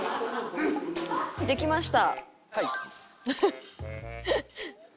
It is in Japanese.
できました。